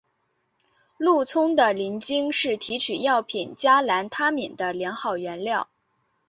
鹿葱的鳞茎是提取药品加兰他敏的良好原料。